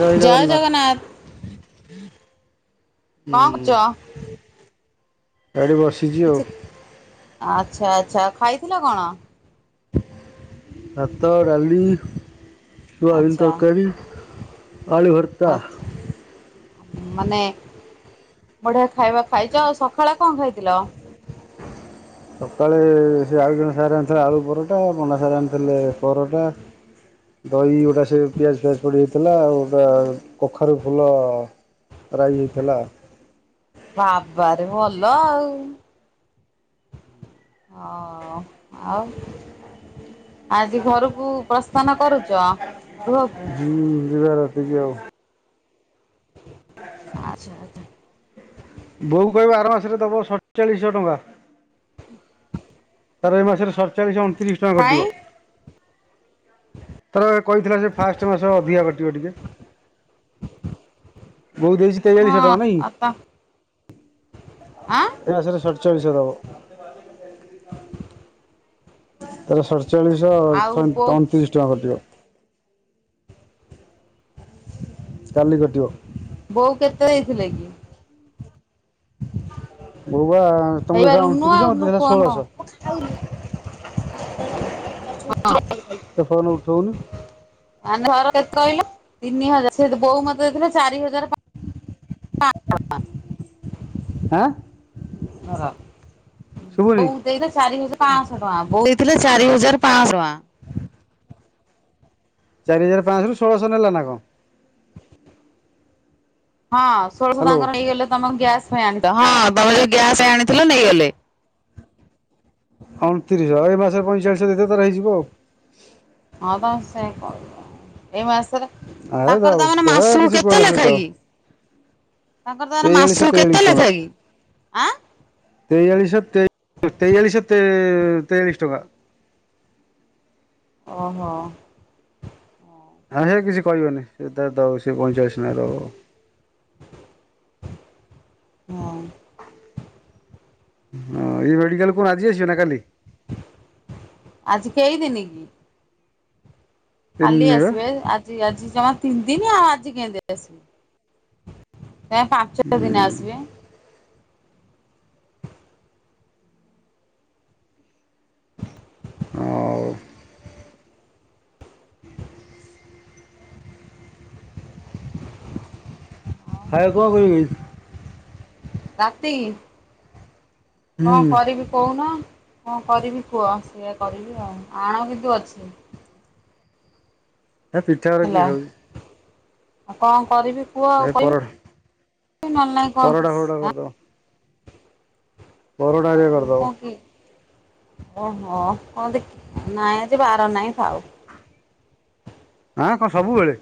ଜୟ ଜଗନ୍ନାଥ। କଅଁ କରୁଚ? ଏଡ଼େ ବସି ଛି। ଆଚ୍ଛା ଆଚ୍ଛା ଖାଇଥିଲ କଣ? ଭାତ, ଡାଲି ସୋୟାବିନ୍‌ ଆଚ୍ଛା ତରକାରି, ଆଳୁ ଭର୍ତା। ଆଚ୍ଛା ମାନେ ବଢିଆ ଖାଇବା ଖାଇଛ। ଆଉ ସକାଳେ କଣ ଖାଇଥିଲ? ସକାଳେ ସେ ଆଉ ଜଣେ ସାରେ ଆଣିଥିଲେ ଆଳୁ ପରଟା ପଣ୍ଡା ସାରେ ଆଣିଥିଲେ ପରଟା ଦହି ଗୋଡା ସେ ପିଆଜ ଫିଆଜ ପଡ଼ିହେଇଥିଲା ଆଉ ଗୋଟା କଖାରୁ ଫୁଲ ରାଇ ହେଇଥିଲା। ବାବାରେ ଭଲ ଆଉ। ଅ ଆଉ। ଆଜି ଘରକୁ ପ୍ରସ୍ଥାନ କରୁଚ? ହୁଁ ଯିବା ରାତିକି ଆଉ। ଆଚ୍ଛା ଆଚ୍ଛା ବୋଉକୁ କହିବୁ ଆର ମାସରେ ଦବ ସତଚାଳିଶହ ଟଙ୍କା। [inaudible] ତାପରେ ଏଇ ମାସରେ ସତଚାଳିଶହ ଅଣତିରିଶ ଟଙ୍କା କଟିବ। କାଇଁ ତାପରେ କହିଥିଲା ସେ ଫାଷ୍ଟ ମାସ ଅଧିକା କଟିବ ଟିକେ। ବୋଉ ଦେଇଚି ହଁ [unintelligible] ଆଁ ଏ ମାସରେ ସଡଚାଳିଶଶହ ଦବ। ତାର ସତଚାଳିଶଶହ ଆଉ ଅଣତିରିଶ ବୋଉ ଟଙ୍କା କଟିବ। କାଲି କଟିବ। ବୋଉ କେତେ ଦେଇଥିଲେ କି? ବୋଉବା ତମକୁ ଏଇ ବା ଦେଇଥିଲା ରୁନୁ ଅଣତିରିଶ ଆଉ ମୋତେ ରୁନୁ ଦେଇଥିଲା ଫୋନ। ଷୋଳଶହ [unintelligible] ତୋ ଫୋନ ଉଠଉନି। କାହ୍ନୁଆ ଘର କେତେ କହିଲ ତିନି ହଜାର। ସେ ବୋଉ ମତେ ଦେଇଥିଲେ ଚାରି ହଜାର ପା ଆଁ [unintelligible] ଶୁଭୁନି ଦେଇଥିଲେ ଚାରି ହଜାର ପାଶହ ଟଙ୍କା। ବୋଉ ଦେଇଥିଲେ ଚାରି ହଜାର ପାଶହ ଟଙ୍କା। ଚାରି ହଜାର ପାଆଁଶରୁ ଷୋଳଶହ ନେଲା ନା କଣ? [unintelligible] ହଁ ଷୋଳଶହ ହ୍ୟାଲୋ ତାଙ୍କର ନେଇଗଲେ ତମ କଣ ଗ୍ୟାସ ପାଇଁ ଆଣିଥିଲ। ହଁ ତମେ ଯୋଉ ଗ୍ୟାସ ଆଣିଥିଲ ନେଇଗଲେ। ଅଣତିରିଶହ ଏ ମାସରେ ପଇଁଚାଳିଶହ ଦେଇ ଦେଲେ ତାର ହେଇଯିବ ଆଉ। ହଁ ପା ସେ [unintelligible] ଏଇ ମାସରେ ଆରେ ତାଙ୍କର ଦଉ ତା ମାନେ ହେ ମାସକୁ କିଛି କେତେ କୁହନା ସେ ଲେଖାଏ ଦଉ କି? ତାଙ୍କର ତା ମାନେ ତେୟାଳିଶଶହ ମାସକୁ ତେୟାଳିଶ କେତେ ଲେଖା କି? ଆଁ ତେୟାଳିଶହ ତେ ତେୟାଳିଶହ ତେ ତେୟାଳିଶି ଟଙ୍କା। ଓହୋ। ହଁ ହେ କିଛି କହିବନି। ସେ ତାର ଦଉ ସେ ପଇଁଚାଳିଶି ନଖେ ଦବ ଆଉ। ହଉ। ହଁ ଇଏ ମେଡିକାଲ ରୁ କଣ ଆଜି ଆସିବ ନା କାଲି? ଆଜି କେଇଦିନି କି? ତିନି କାଲି ଦିନ ବା ଆସିବେ। ଆଜି ଆଜି ଜମା ତିନିଦିନି ଆଉ ଆଜି କେମିତି ଆସିବେ। ଯାଇକି ପାଞ୍ଚ ଦିନେ ହୁଁ ଆସିବେ। ହଉ। [unintelligible] [unintelligible] ରାତି, ହୁଁ କଣ କରିବି କହୁନ। କଣ କରିବି କୁହ ସେୟଆ କରିବି ଆଉ। ଆଣ କିନ୍ତୁ ଅଛି। ହେ ପିଠା ଗୁରା ହେଲା। କିଏ ଖାଉଚି। ଆଉ କଣ କରିବି? କୁହ ଆଉ ଏ ପରଟା କହିବି ନହେଲେ ନାଇଁ କଣ ପରଟା ଫରଟା ଆଁ। କରିଦବ ପରଟା ହେରିକା ଆଉ କରିଦବ [unintelligible] ଓହୋ। କଣ ଦେଖ ନାଇଁ ଆଜି ବାର ନାହିଁ ଥାଉ। ଆଁ କଣ ସବୁବେଳେ?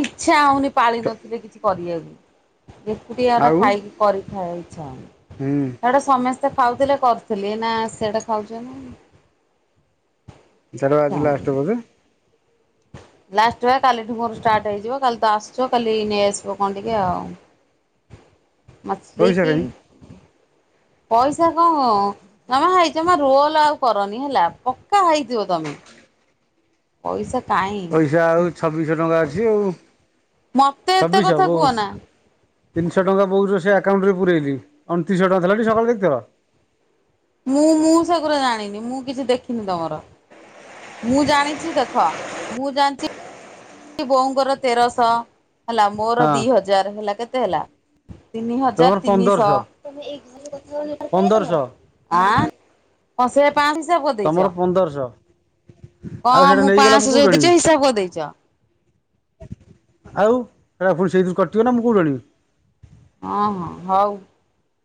ଇଚ୍ଛା ହଉନି ପାଳି ନଥିଲେ କିଛି କରିବାକୁ। ଏକୁଟିଆ ଟା ଆଉ ଖାଇକି କରିକି ଖାଇବାକୁ ଇଚ୍ଛା ହଉନି। ହୁଁ ହେ ଗୋଟେ ସମେସ୍ ସ୍ତେ ଖାଉଥିଲେ କରୁଥିଲି। ଏଇନା ସିଆଡେ ଖାଉଛନ୍ତି। [unintelligible] ଇଚ୍ଛା ଆଜିି ହଉନି। ଲାଷ୍ଟ ବୋଧେ? ଲାଷ୍ଟ ବା କାଲିଠୁ ମୋର ଷ୍ଟାର୍ଟ ହେଇଯିବ। କାଲି ତ ଆସୁଚ କାଲି ନେଇ ଆସିବ କଣ ଟିକେ ଆଉ। ମଛଲି ପଇସା କି କାଇଁ ପଇସା କଣ ତମେ ହେଇ ଜମା ରୋଲ ଆଉ କରନି ହେଲା। ପକ୍କା ହୋଇଥିବ ତମେ। ପଇସା କାଇଁ। ପଇସା ଆଉ ଛବିଶହ ଟଙ୍କା ଅଛି ଆଉ ମତେ ଏତେ ଛବିଶହ କଥା ବୋଉ କୁହନା। ତିନିଶହ ଟଙ୍କା ବୋଉର ସେ ଆକାଉଣ୍ଟରେ ପୁରଇଲି ଅଣତିରିଶହ ଟଙ୍କା ଥିଲାଟି ସକାଳେ ଦେଖିଥିଲ। ମୁଁ ମୁଁ ସେଗୁରା ଜାଣିନି ମୁଁ କିଛି ଦେଖିନି ତମର। ମୁଁ ଜାଣିଚି ଦେଖ ମୁଁ ଜାଣିଚି ବୋଉଙ୍କର ତେରଶହ ହେଲା ମୋର ହଁ ଦିଇ ହଜାର ହେଲା କେତେ ହେଲା? ତିନି ହଜାର ତମର ତିନିଶହ। ପନ୍ଦରଶହ ପନ୍ଦରଶହ ଆଁ ପାଞ୍ଚ ହିସାବ କରିଦେଇଛ ତମର ପନ୍ଦରଶଅ କଣ ମୁଁ ପାଆଁଶଅ ଯୋଉ ଦେଇଚି ହିସାବ କରିଦେଇଚ। ଆଉ [unintelligible] ମୁଁ କୋଉଠୁ ଆଣିବି। ହଁ ହଁ ହଉ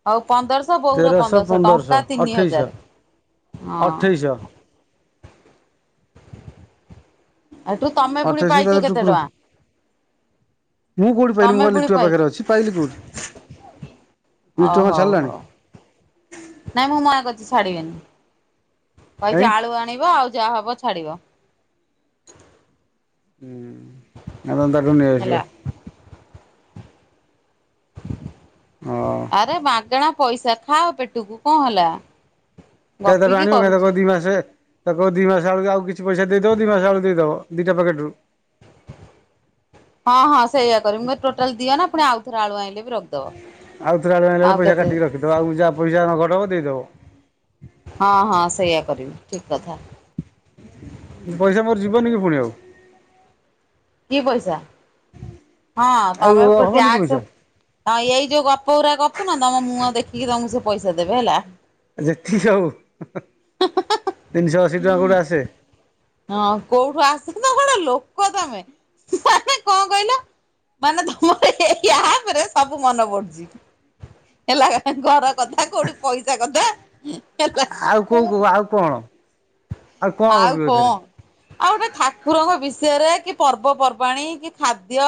ହଉ ପନ୍ଦରଶ ଶ ବୋଉର ତେରଶହ ପନ୍ଦରଶହ ଟଙ୍କା ତିନି ଅଠେଇଶହ ହଜାର ହଁ। ଅଠେଇଶହ [unintelligible] ଅଠେଇଶି ପାଇଛ ତାପରେ କେତେ ଟୁକୁର ଟଙ୍କା ମୁଁ କଉଠୁ ପାଇଲିି ତମେ ମୁଁ ପୁଣି ଲିଟୁଆ ପାଇଛ ପାଖରେ ଅଛି। ପାଇଲି କୋଉଠି। ଓ ଲିଟୁଆ କଣ ହଉ ଛାଡ଼ିଲାଣି ହଉ ନାଇଁ ମୁଁ ମାଆ କତିକି ଛାଡିବନି। କହିଚି କାଇଁ ଆଳୁ ଆଣିବ ଆଉ ଯାହା ହବ ଛାଡିବ। ହୁଁ [unintelligible] ହେଲା ନେଇଆସିବ। ହଁ ଆରେ ମାଗେଣା ପଇସା ଖାଅ ପେଟକୁ କଅଁ ହେଲା। [unintelligible] ଦି ଗପିକି କରୁଛେ ମାସେ ତାକୁ କହିବ ଦିଇ ମାସ ଆଳକୁ ଆଉ କିଛି ପଇସା ଦେଇଦବ ଦି ମାସ ଆଳୁ ଦେଇଦବ ଦିଟା ପାକେଟ୍ ରୁ। ହଁ ହଁ ସେଇଆ କରିବି ମୁଁ କହିବି ଟୋଟାଲ୍ ଦିଅନା ପୁଣି ଆଉଥରେ ଆଳୁ ଆଣିଲେ ବି ରଖିଦବ। ଆଉ ଥରେ ଅଳୁ ଆଇଁଲା ବଳୁ ଆଉ ପଇସା କେତେ କାଟିକି ରଖିଦବ ଆଉ ଯହା ପଇସା [unintelligible] ଦେଇଦେବ। ହଁ ହଁ ସେଇଆ କରିବି ଠିକ୍ କଥା। ପଇସା ମୋର ଯିବନି କି ଫୁଣି ଆଉ। ଦି ପଇସା ହଁ ଆଉ [unintelligible] ହବନି କି ଟ୍ୟାକ୍ସ ପଇସା ହଁ ଏଇ ଯୋଉ ଗପ ଗୁୁରା ଗପୁ ନା ତମ ମୁଅଁ ଦେଖିକି ତମକୁ ସେ ପଇସା ଦେବେ ହେଲା। ଜେଠି ହଉ ତିନିଶହ ଅଶୀ ଟଙ୍କା କୋଉଠୁ ଆସେ? ହଁ କୋଉଠୁ ଆସେ ନା କଣ ଲୋକ ତମେ ମାନେ କଅଁ କହିଲ? ମାନେ ତମର ଏଇ ଆପ ରେ ସବୁ ମନ ପଡୁଚି। ହେଲା ଘର କଥା କୋଉଠି ପଇସା କଥା ହେଲା ଆଉ କୋଉ କୋଉ ଆଉ କଣ ଆଉ କଣ ଗପିବ ଏଥେରେ? ଆଉ ଗୋଟେ ଠାକୁରଙ୍କ ବିଷୟରେ କି ପର୍ବପର୍ବାଣୀ କି ଖାଦ୍ୟ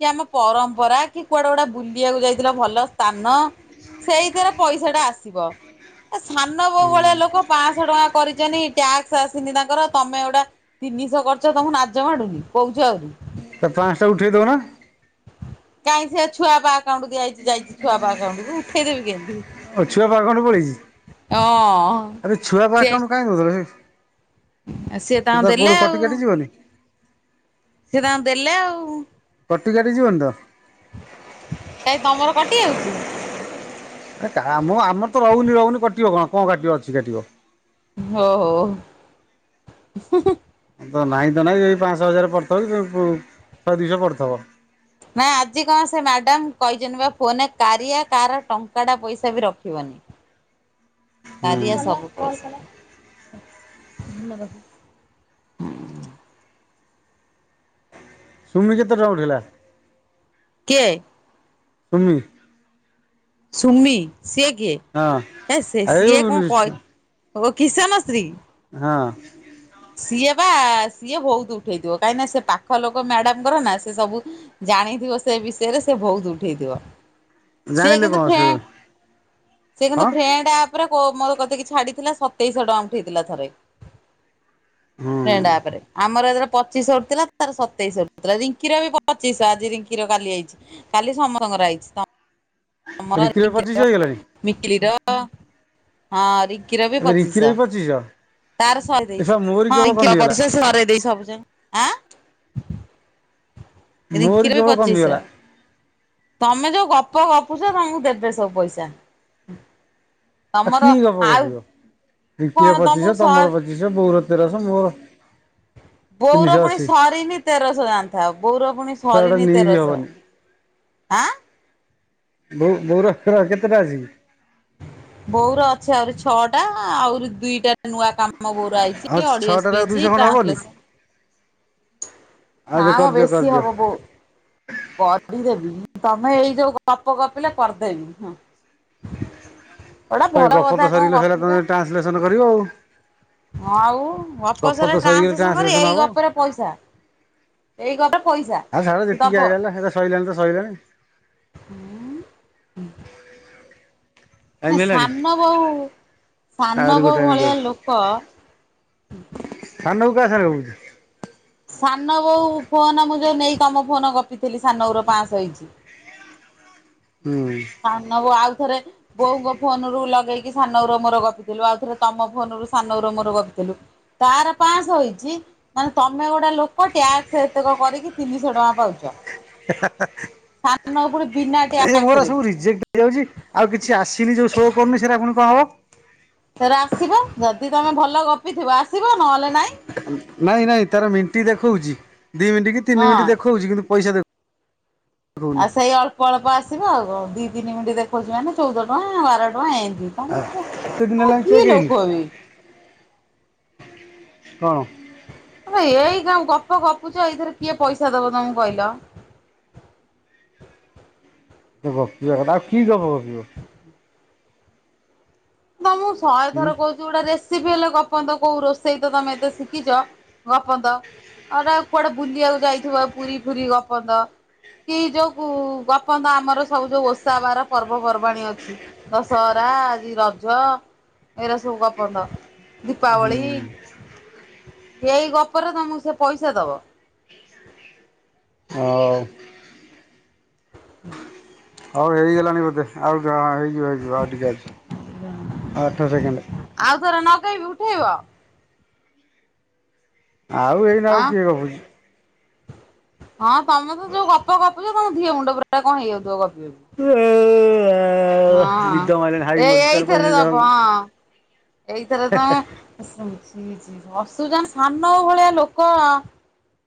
କି ଆମ ପରମ୍ପରା କି କୁଆଡା ଗୋଡେ ବୁଲିବାକୁ ଯାଇଥିଲ ଭଲ ସ୍ଥାନ। ସେଇଥିରେ ପଇସା ଟା ଆସିବ ଏ ସାନ ବୋଉ ଭଳିଆ ହୁଁ ଲୋକ ପାଆଁଶହ ଟଙ୍କା କରିଚନି। ଟ୍ୟାକ୍ସ ଆସିନି ତାଙ୍କର ତମେ ଗୋଟା ତିନିଶ କରି ଚ ତମକୁ ନାଜ ମାଡୁନି କହୁଚ ଆହୁରି। ତା ପାଆଁଶଟା ଉଠେଇ ଦଉ ନ। କାଇଁ ସେ ଛୁଆପା ଆକାଉଣ୍ଟ ଦିଆହେଇଚି ଯାଇଚି ଛୁଆପା ଆକାଉଣ୍ଟକୁ ଉେଇଦେବି କେମିତି। ଓ ଛୁଆପା ଆକାଉଣ୍ଟ ପଳେଇଚି ହଁ ଆରେ ଛୁଆପା ସେ ଆକାଉଣ୍ଟ କାଇଁ ଦଉଥଲ [unintelligible] ସିଏ ସେ ତାଙ୍କୁ ତ ଦେଲେ କୋଉଠି ଆଉ କଟି କାଟି ଯିବନି। ସିଏ ତାଙ୍କ ଦେଲେ ଆଉ। କଟି କାଟି ଯିବନି ତ କାଇଁ ତମର କଟି ଯାଉଚି। ଆ କା ମୁଁ ଆମର ତ ରହୁନି ରହୁନି କଟିବ କଣ କଣ କାଟିବ ଅଛି କାଟିବ। ହ ହୋ। ତ ନାହିଁ ତ ନାହିଁ ଏ ପାଆଶହ ହଜାର ପଡ଼ିଥିବ କି ଶହେ ଦୁଇଶହ ପଡ଼ିଥିବ। ନାଇଁ ଆଜି କଣ ସେ ମ୍ୟାଡ଼ାମ କହିଚନ୍ତି ବା ଫୋନରେ କାରିଆ କାର ଟଙ୍କାଟା ପଇସା ବି ରଖିବନି। ହୁଁ କାରିଆ ସବୁ [unintelligible] ସୁମି କେତେ ଟଙ୍କା ଉଠେଇଲା। କିଏ? ସୁମି। ସୁମି ସିଏ ହଁ ଗିଏ ସେ ଏଇ ସିଏ କଣ କଇ ଓ କିଶନ ସ୍ତ୍ରୀ ହଁ। ସିଏ ବା ସିଏ ବହୁତ ଉଠେଇଥିବ। କାହିଁକିନା ସେ ପାଖ ଲୋକ ମ୍ୟାଡାମଙ୍କର ନା ସେ ସବୁ ଜାଣିଥିବ ସେ ବିଷୟରେ ସେ ବହୁତ ଉଠେଇଥିବ। ସି ଜାଣିଲେ କିନ୍ତୁ କଣ ଫ୍ର ସେ ସେ କିନ୍ତୁ ହଁ ଫ୍ରେଣ୍ଡ ଅପ ରେ ମୋ କତିକି ଛାଡିଥିଲା ସତେଇଶହ ଟଙ୍କା ଉଠେଇଥିଲା ଥରେ। ହୁଁ ଫ୍ରେଣ୍ଡ୍ ଆପରେ। ଆମର ଜେତେଲେ ପଚିଶ ଉଠିଥିଲା। ତାର ସତେଇଶ ଉଠିଥିଲା ରିଙ୍କିର ବି ପଚିଶ ଆଜି ରିଙ୍କିର କାଲି ଆଇଛି। କାଲି ସମସ୍ତଙ୍କର ଆଇଛି ର ରିଙ୍କିର ପଚିଶ ର ହେଇଗଲାଣି ମିକିଲି ର। ହଁ ରିଙ୍କିର ବି ଏବେ ରିଙ୍କିର ବି ପଚିଶ। ତାର ସରି ଏ ଶଳା ମୋରି କେବଳ ଯାଇଛି ହଁ କମିଗଲା ସରେଇ ଦେଇଛି ସବୁଜା ଆଁ ମୋରି ରିଙ୍କିର ବି କେବଳ ପଚିଶ। କମିଗଲା ତମେ ଯୋଉ ଗପ ଗପୁଛ ତମକୁ ଦେବେ ସବୁ ପଇସା। ଆଉ ତମର କି ଗପ ଆଉ ଗପିବ କଣ ରିଙ୍କିର ତମକୁ ପଚିଶ ସ ତମର ପଚିଶହ ବୋଉର ତେରଶହ ମୋର ବୋଉର ତିନିଶହ ପୁଣି ଅଶୀ ସରିନି ତେରଶହ ଜାଣିଥା, ବୋଉର ପୁଣି ତା ଗୋଟେ ସରିନି ନେଇବି ତେରଶହ। ହବନି ଆଁ। ବୋ ବୋଉର କେ କେତେଟା ଅଛି କି? ବୋଉର ଅଛି ଆହୁରି ଛଅଟା ଆହୁରି ଦୁଇଟା। ନୂଆ କାମ ବୋଉ ର ଆଇଛି ଆଉ ଅଡିଓ ଛଅଟାରେ ସ୍ପିଚ ଦୁଇଶହ ଆଉ ଖଣ୍ଡେ ହବନି? ଟ୍ରାନ୍ସଲେସନ। ଆଉ ନା ଯେ କରିଦିଅ ବେଶି କରିଦିଅ। ହବ ବୋଉ କରିଦେବି ତମେ ଏଇ ଯୋଉ ଗପ ଗପିଲା କରିଦେବିଁ। ସେ ଗପ ତ ସରିଗଲେ ସରିଲା ତମେ ଟ୍ରାନ୍ସଲେସନ କରିବ ଆଉ। ହଁ ଆଉ ଗପ ତ ସରିଗଲେ ଟ୍ରାନ୍ସଲେସନ କରିବେ ଟ୍ରାନ୍ସଲେସନ୍ ଏଇ ହବ। ଗପରେ ପଇସା। ଏଇ ଗଟେ ପଇସା। ଆଁ ଛାଡ ଯେତିକି ଆଇଲା ଆଇଲା ସେ ସଇଲାଣି ତ ସଇଲାଣି। ହଁ ହ। ଏ ଟାଇମ୍ ହେଲାଣି। ସାନ ବହୁୂ ସାନ ଆହୁରି ବହୁ ଗୋଟାଏ ଭଳିଆ ଲୋକ। ସାନ ବୋଉ କା ସଙ୍ଗରେ ଗପୁଛି। ସାନ ବୋଉ ଫୋନ ମୁଁ ଯୋଉ ନେଇ ତମ ଫୋନ ଗପିଥିଲି ସାନୋ ବୋଉର ପାଂସହ ହେଇଛି। ହୁଁ। ସାନ ବଉ ଆଉଥରେ ବୋଉଙ୍କ ଫୋନ ରୁ ଲଗେଇକି ସାନ ବୋଉ ର ମୋର ଗପିଥିଲୁ, ଆଉ ଥରେ ତମ ଫନ ରୁ ସାନ ବୋଉର ମୋର ଗପିଥିଲୁ। ତାର ପାଂଶହ ହେଇଛି। ମାନେ ତମେ ଗୋଟେ ଲୋକ ଟ୍ୟାକ୍ସ ଏତେକ କରିକି ତିନିଶହ ଟଙ୍କା ପାଉଛ। ହେ ହେ ସାନ ବୋଉ ପୁଣି ବିନା ହେ ଏ ଟ୍ୟାକ୍ସ ମୋର ରେ। ସବୁ ରିଜେକ୍ଟ ହେଇଯାଉଛି, ଆଉ କିଛି ଆସିନି ଯୋଉ ଶୋ କରୁନି ସେରା ପୁଣି କଣ ହବ। ଫେରେ ଆସିବ, ଯଦି ତମେ ଭଲ ଗପିଥିବ ଆସିବ ନହେଲେ ନାଇଁ। ନାଇଁ ନାଇଁ ତାର ମିଣ୍ଟ ଦେଖଉଛି, ଦି ମିନିଟ୍ କି ତିନି ହଁ। ମିନିଟ ଦେଖଉଛି କିନ୍ତୁ ପଇସା ଦେଖ୍ ଆଉ ସେଇ ଅଳ୍ପ ଅଳ୍ପ ଆସିବ ଆଉ କ ଦି ତିନି ମିନିଟ ଦେଖଉଛି ମାନେ ଚଉଦ ଟଙ୍କା ବାର ଟଙ୍କା ଏମତି। ତମକୁ ଏତେ ଦିନ ତମେ ହେଲାଣି ଚେକ୍ କି ହେଇନି ଲୋକ ବେ କଣ ଏଇ କା ଗପ ଗପୁଛ ଏଇଥିରେ କିଏ ପଇସା ଦବ ତମକୁ କହିଲ। ଏ ଗପିବା କଥା ଆଉ କି ଗପ ଗପିବ। ମୁଁ ତମକୁ ଶହେ ହୁଁ। ଥର କହୁ କୋଉ ଉଟା ରେସିପି ହେଲେ ଗପନ୍ତ କୋଉ ରୋଷେଇ ତ ତମେ ଏତେ ଶିଖିଛ ଗପନ୍ତ। ଆଉଟ କୁଆଡେ ବୁଲିବାକୁ ଯାଇଥିବ ପୁରୀ ଫୁରୀ ଗପନ୍ତ। କି ଯୋଉ ଗପନ୍ତ ଆମର ସବୁ ଯୋଉ ଓଷା ବାର ପର୍ବପର୍ବାଣୀ ଅଛି। ଦଶହରା ଆଜି ରଜ ଜ ଏରା ସବୁ ଗପନ୍ତ ଦୀପାବଳି। ଏଇ ଗପରେ ତମକୁ ସେ ପଇସା ଦବ। ହଁ। [inaudible] ହଉ ହେଇଗଲାଣି ବୋଧେ ଆଉ ଡ ହେଇଯିବ ହେଇଯିବ ଆଉ ଟିକେ ଅଛି ଆଠ ସେକେଣ୍ଡ୍। ଆଉ ଥରେ ନଗେଇବୁ ଉଠେଇବ? ଆଉ ଏଇନା ଆଉ ଆଁ କିଏ ଗପୁଚି? ହଁ ତମେ ତ ଯୋଉ ଗପ ଗପୁଚ ଧିଅ ମୁଣ୍ଡ ପୁରା କଣ ହେଇଯାଉଥୁବ ଗପି ଗପି। ହଁ ନିଦ ମାଇଲାଣି ତାର ହାଇ ଏ ମାରୁଚି ତାର ଏଇଥରେ ପଛେ ଯା ଦବ ହଁ ଏଇଥରେ ତମେ ସୁ ଶୁଣିଚି ହସୁଚନ୍ ସାନଓଉ ଭଳିଆ ଲୋକ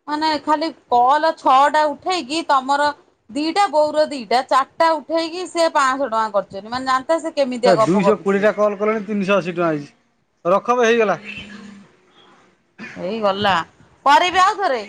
ହଁ ନାଇଁ ଖାଲି କଲ ଛଅଟା ଉଠେଇକି ତମର ଦିଟା ବୋଉର ଦିଟା ଚାରଟା ଉଠେଇକି ସିଏ ପାଁଶ ଟଙ୍କା କରିଚନ୍ତି ମାନେ ଜା ତେ ସେ କେମିତିଆ ଗପ ଗପିଥିବେ। ମୋର ଏଣି ତିନିଶ ଅଶୀ ଟଙ୍କା ହେଇଚି ରଖବେ ହେଇଗଲା। ହେଇ ଗଲା କରିବି ଆଉ ଥରେ?